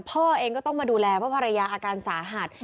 พ่อเองก็ต้องมาดูแลเพราะภรรยาอาการสาหัส